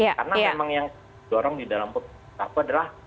karena memang yang dorong di dalam perusahaan kita adalah